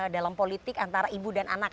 dalam politik antara ibu dan anak